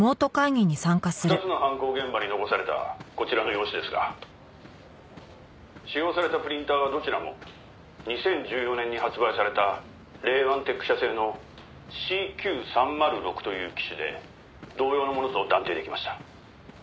「２つの犯行現場に残されたこちらの用紙ですが使用されたプリンターはどちらも２０１４年に発売されたレーワンテック社製のＣＱ３０６という機種で同様のものと断定できました」